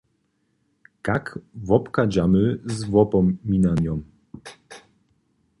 Kak wobchadźamy z wopominanjom?